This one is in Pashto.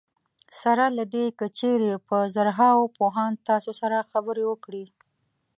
سره له دې که چېرې په زرهاوو پوهان تاسو سره خبرې وکړي.